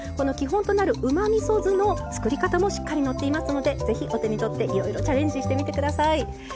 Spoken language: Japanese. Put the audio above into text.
うまみそ酢の作り方もしっかり載っていますのでぜひお手にとっていろいろチャレンジしてみてください。